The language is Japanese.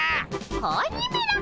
子鬼めら！